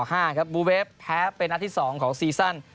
บูเวฟแพ้เป็นนัดที่๒ของซีซั่น